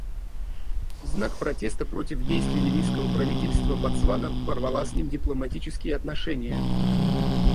В знак протеста против действий ливийского правительства Ботсвана порвала с ним дипломатические отношения.